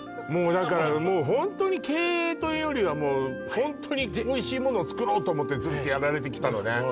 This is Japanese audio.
もうだからもう本当に経営というよりはもう本当においしいものを作ろうと思ってずっとやられてきたのね